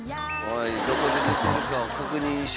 どこで寝てるかを確認して。